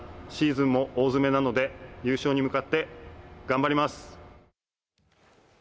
シーズンも大詰めなので、優勝に向かって頑張ります。